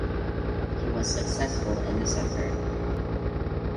He was successful in this effort.